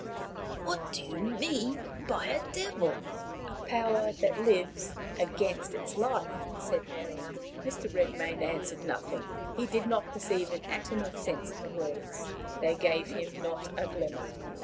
"What do you mean by a devil?" "A power that lives against its life," said Mary. Mr. Redmain answered nothing. He did not perceive an atom of sense in the words. They gave him not a glimmer.